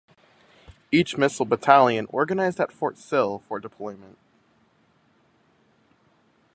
Each missile battalion organized at Fort Sill for deployment.